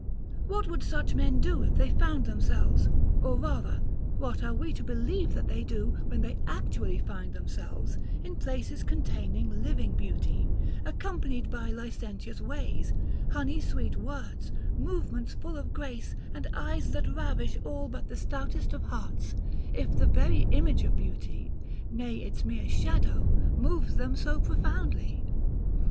What would such men do if they found themselves, or rather, what are we to believe that they do when they actually find themselves, in places containing living beauty, accompanied by licentious ways, honey sweet words, movements full of grace, and eyes that ravish all but the stoutest of hearts, if the very image of beauty, nay, its mere shadow, moves them so profoundly?